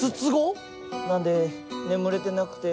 なんで眠れてなくて。